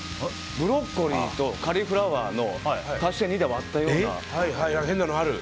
ブロッコリーとカリフラワーの足して２で割ったような。